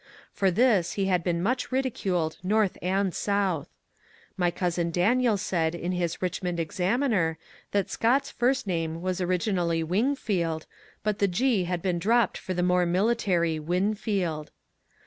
For this he had been much ridiculed North and South. My cousin Daniel said in his ^^Bichmond Examiner" that Scott's first name was originally " Wingfield," but the "g" had been dropped for the more military ^^ Winfield."